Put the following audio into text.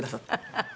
ハハハハ。